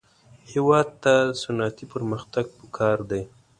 هېواد ته صنعتي پرمختګ پکار دی